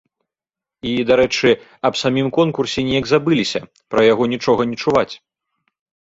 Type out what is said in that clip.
І, дарэчы, аб самім конкурсе неяк забыліся, пра яго нічога не чуваць.